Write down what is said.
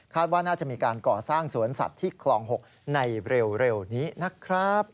ว่าน่าจะมีการก่อสร้างสวนสัตว์ที่คลอง๖ในเร็วนี้นะครับ